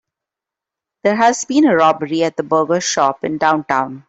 There has been a robbery at the burger shop in downtown.